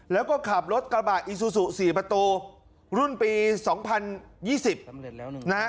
แล้วก็ขับรถกระบะอีซูซุสี่ประตูรุ่นปีสองพันยี่สิบนะฮะ